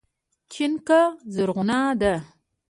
چينکه زرغونه ده